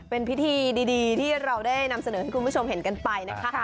เป็นพิธีดีที่เราได้นำเสนอให้คุณผู้ชมเห็นกันไปนะคะ